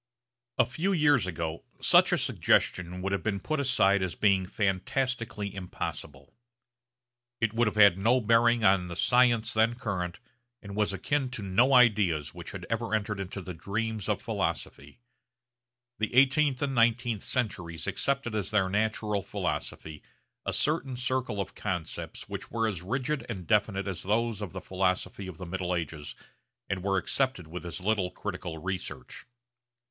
A few years ago such a suggestion would have been put aside as being fantastically impossible. It would have had no bearing on the science then current, and was akin to no ideas which had ever entered into the dreams of philosophy. The eighteenth and nineteenth centuries accepted as their natural philosophy a certain circle of concepts which were as rigid and definite as those of the philosophy of the middle ages, and were accepted with as little critical research.